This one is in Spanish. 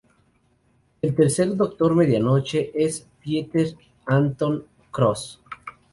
El tercer Doctor Medianoche es Pieter Anton Cross.